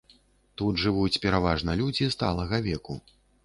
Тут жывуць пераважна людзі сталага веку.